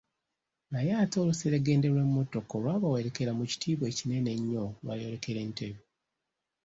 Naye ate oluseregende lw’emotoka olwabawerekera mu kitiibwa ekinene ennyo lwayolekera Entebbe.